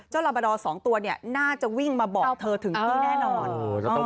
เจ้าลาบาดอร์สองตัวน่าจะวิ่งมาบอกเธอถึงที่แน่นอน